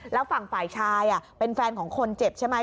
แล้วฝั่งฝ่ายชายเป็นแฟนของคนเจ็บใช่ไหม